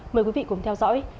mời quý vị cùng theo dõi